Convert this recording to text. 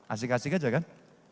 asik asik aja kan